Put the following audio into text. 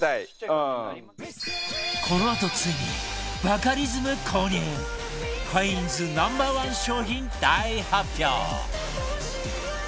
このあとついにバカリズム購入カインズ Ｎｏ．１ 商品大発表！